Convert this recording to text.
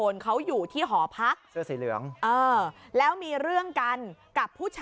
เสื้อสีเทา